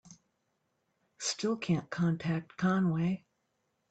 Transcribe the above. Still can't contact Conway.